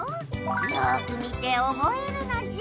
よく見ておぼえるのじゃ。